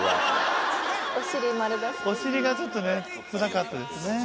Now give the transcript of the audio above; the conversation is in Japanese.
お尻がちょっとねつらかったですね。